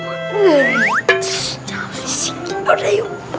jangan sisi kita udah yuk